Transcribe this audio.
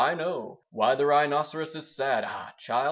I know Why the Rhinoceros is sad, Ah, child!